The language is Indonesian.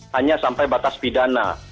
hanya sampai batas pidana